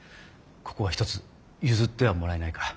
ここはひとつ譲ってはもらえないか。